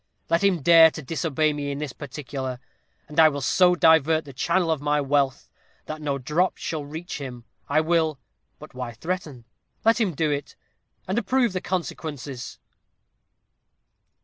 Let him dare to disobey me in this particular, and I will so divert the channel of my wealth, that no drop shall reach him. I will but why threaten? let him do it, and approve the consequences.'